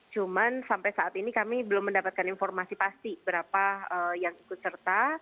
cuman sampai saat ini kami belum mendapatkan informasi pasti berapa yang ikut serta